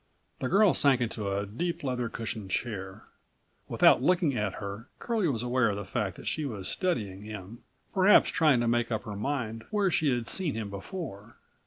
The girl sank into a deep leather cushioned chair. Without looking at her Curlie was aware of the fact that she was studying him, perhaps trying to make up her mind where she had seen him before.